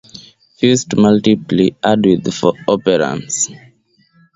Fused multiply-add with four operands.